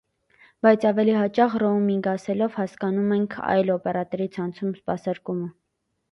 Բայց ավելի հաճախ ռոումինգ ասելով հասկանում ենք այլ օպերատորի ցանցում սպասարկումը։